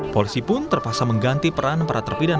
polisi pun terpaksa mengganti peran para terpidana